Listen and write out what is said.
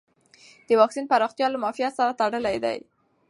د واکسین پراختیا له معافیت سره تړلې ده.